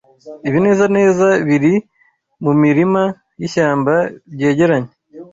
Ibinezeza biri mumirima yishyamba byegeranye